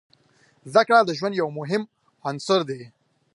زده کړه د ژوند یو مهم عنصر دی.